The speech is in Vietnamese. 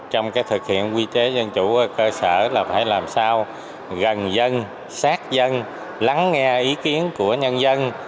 trong thực hiện quy chế dân chủ ở cơ sở là phải làm sao gần dân sát dân lắng nghe ý kiến của nhân dân